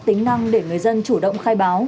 tính năng để người dân chủ động khai báo